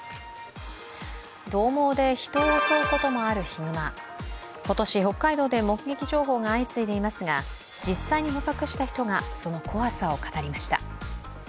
どう猛で人を襲うこともあるヒグマ今年北海道で目撃情報が相次いでいますが実際に捕獲した人がその怖さを語りました。